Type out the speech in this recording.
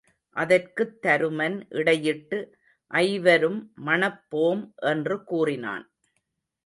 அதற்குத் தருமன் இடையிட்டு ஐவரும் மணப் போம் என்று கூறினான்.